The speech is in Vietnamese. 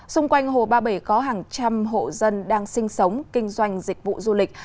xung quanh hồ ba bể có hàng trăm hộ dân đang sinh sống kinh doanh dịch vụ du lịch